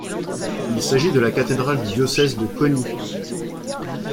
Il s'agit de la cathédrale du diocèse de Coni.